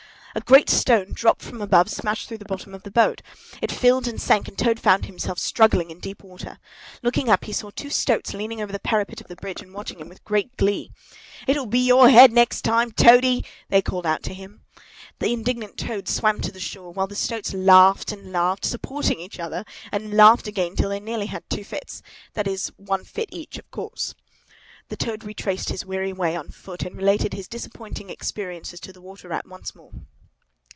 _ A great stone, dropped from above, smashed through the bottom of the boat. It filled and sank, and Toad found himself struggling in deep water. Looking up, he saw two stoats leaning over the parapet of the bridge and watching him with great glee. "It will be your head next time, Toady!" they called out to him. The indignant Toad swam to shore, while the stoats laughed and laughed, supporting each other, and laughed again, till they nearly had two fits—that is, one fit each, of course. The Toad retraced his weary way on foot, and related his disappointing experiences to the Water Rat once more.